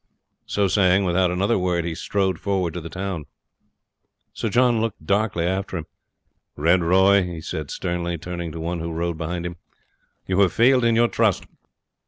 So saying, without another word he strode forward to the town. Sir John looked darkly after him. "Red Roy," he said sternly, turning to one who rode behind him, "you have failed in your trust.